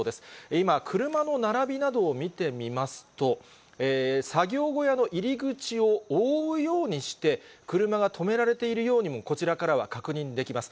今、車の並びなどを見てみますと、作業小屋の入り口を覆うようにして、車が止められているようにも、こちらからは確認できます。